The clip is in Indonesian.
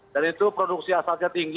dan itu produksi asalnya tinggi